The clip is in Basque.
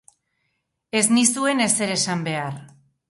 Ez nizuen ezer esan behar.